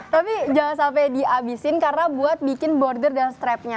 tapi jangan sampai dihabisin karena buat bikin border dan strapnya